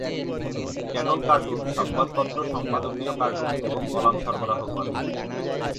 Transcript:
Kaggle cartoon সংবাদপত্র সম্পাদকীয় cartoon এবং কলাম সরবরাহ করে।